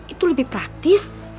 itu lebih praktis